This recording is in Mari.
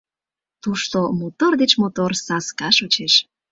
Тушто мотор деч мотор саска шочеш